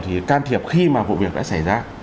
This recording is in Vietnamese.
thì can thiệp khi mà vụ việc đã xảy ra